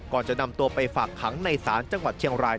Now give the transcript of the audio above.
ก่อนจะนำตัวไปฝากขังในศาลจังหวัดเชียงราย